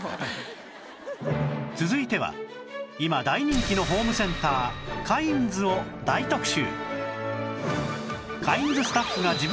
続いては今大人気のホームセンターカインズを大特集！